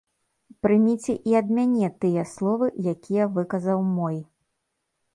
Прыміце і ад мяне тыя словы, якія выказаў мой.